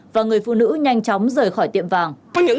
và người phụ nữ nhanh chóng rời khỏi tiệm vàng